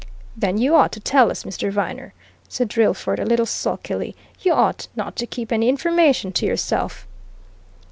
"Then you ought to tell us, Mr. Viner," said Drillford a little sulkily. "You oughtn't to keep any information to yourself."